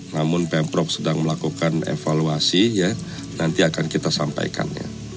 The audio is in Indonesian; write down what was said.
namun pemprov sedang melakukan evaluasi ya nanti akan kita sampaikan